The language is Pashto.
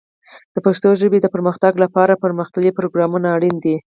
د پښتو ژبې د پرمختګ لپاره پرمختللي پروګرامونه اړین دي.